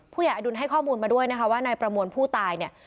อดุลให้ข้อมูลมาด้วยนะคะว่านายประมวลผู้ตายเนี่ย